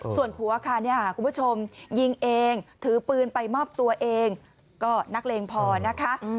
ส่วนผัวค่ะคุณผู้ชมยิงเองถือปืนไปมอบตัวเองก็นักเลงพอนะคะ